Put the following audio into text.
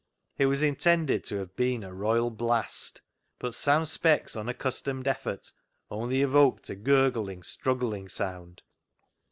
It was intended to have been a royal blast, but Sam Speck's unaccustomed effort only evoked a gurgling, struggling sound.